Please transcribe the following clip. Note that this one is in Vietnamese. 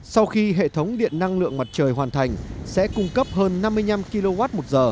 sau khi hệ thống điện năng lượng mặt trời hoàn thành sẽ cung cấp hơn năm mươi năm kwh